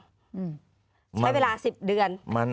ใช้เวลา๑๐เดือน